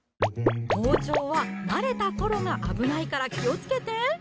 包丁は慣れた頃が危ないから気をつけて！